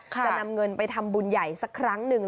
จะนำเงินไปทำบุญใหญ่สักครั้งหนึ่ง